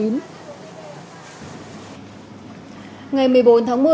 ngày một mươi bốn tháng một mươi